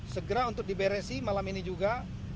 segera untuk diberesin malam ini juga